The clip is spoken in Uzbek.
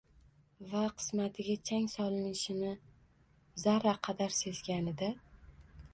va qismatiga chang solinishini zarra qadar sezganida